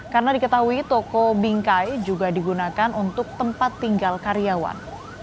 karena diketahui toko bingkai juga digunakan untuk tempat tinggal karyawan